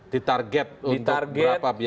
ditarget untuk berapa biaya yang